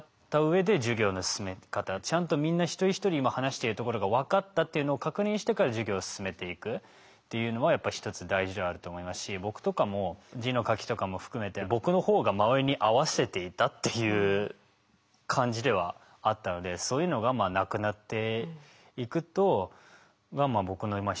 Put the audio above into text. ちゃんとみんな一人一人今話しているところが分かったっていうのを確認してから授業を進めていくっていうのはやっぱ一つ大事であると思いますし僕とかも字の書きとかも含めて僕のほうが周りに合わせていたっていう感じではあったのでそういうのがなくなっていくとが僕の一つの希望ではあるとは思いますね。